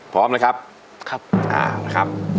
พร้อมนะครับ